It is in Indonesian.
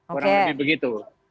kurang lebih begitu